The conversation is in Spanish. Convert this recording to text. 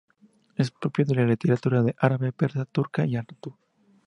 Es propio de las literaturas árabe, persa, turca y urdú.